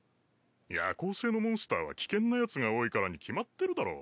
夜行性のモンスターは危険なヤツが多いからに決まってるだろ。